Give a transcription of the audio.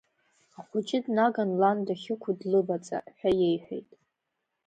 Ахәыҷы днаган лан дахьықәу длываҵа, ҳәа иеиҳәеит.